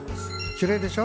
きれいでしょ？